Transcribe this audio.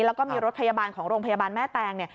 แล้วก็มีรถพยาบาลของโรงพยาบาลแม่แตง